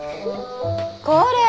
これ！